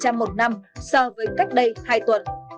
hai ba một năm so với cách đây hai tuần